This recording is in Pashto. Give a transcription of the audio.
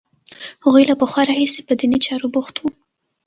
هغوی له پخوا راهیسې په دیني چارو بوخت وو.